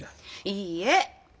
いいえ。